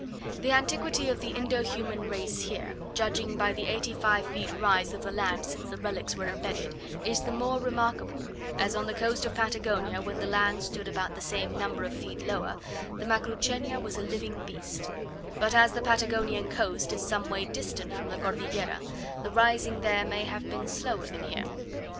The antiquity of the Indo human race here, judging by the eighty five feet rise of the land since the relics were embedded, is the more remarkable, as on the coast of Patagonia, when the land stood about the same number of feet lower, the Macrauchenia was a living beast; but as the Patagonian coast is some way distant from the Cordillera, the rising there may have been slower than here.